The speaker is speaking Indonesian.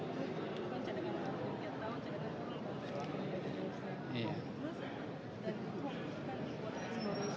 selama ini sebenarnya pak pak kan menggunakan